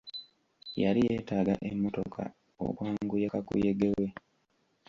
Yali yeetaaga emmotoka okwanguya kakuyege we.